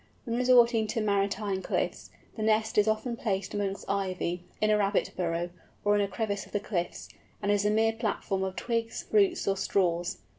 When resorting to maritime cliffs, the nest is often placed amongst ivy, in a rabbit burrow, or in a crevice of the cliffs, and is a mere platform of twigs, roots, or straws.